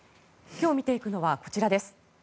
今日見ていくのはこちらです。